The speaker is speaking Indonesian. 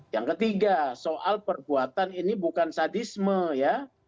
yang ketiga soal perbuatan ini bukan sadisme ya